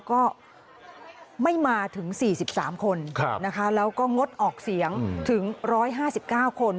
ก็ไม่มาถึง๔๓คนนะคะแล้วก็งดออกเสียงถึง๑๕๙คน